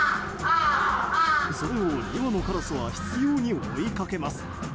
それを２羽のカラスは執拗に追いかけます。